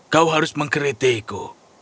kau harus mengkritikku